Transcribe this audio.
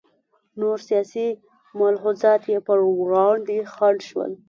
نور سیاسي ملحوظات یې پر وړاندې خنډ شول.